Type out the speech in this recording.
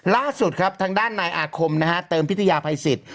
ล่าสุดครับทางด้านนายอาคมนะฮะเติมพิทยาภัยสิทธิ